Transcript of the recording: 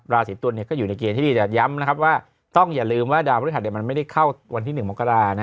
ราศีตุลก็อยู่ในเกณฑ์ที่จะย้ำนะครับว่าต้องอย่าลืมว่าดาวพฤหัสมันไม่ได้เข้าวันที่๑มกรา